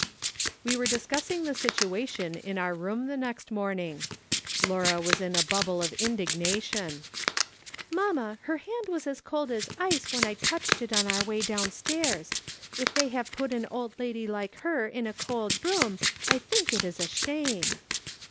"We were discussing the situation in our room the next morning. Laura was in a bubble of indig nation. " Mamma, her hand was as cold as ice when I touched it on our w^ay downstairs. If they have put an old lady like her in a cold room, I think it is a shame